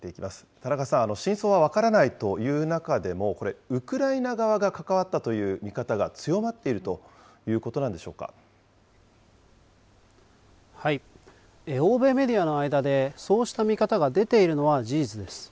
田中さん、真相は分からないという中でも、ウクライナ側が関わったという見方が強まっているということなん欧米メディアの間で、そうした見方が出ているのは事実です。